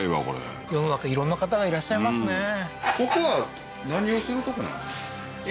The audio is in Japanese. これ世の中色んな方がいらっしゃいますね